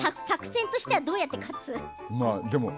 作戦としたらどうやって勝つ？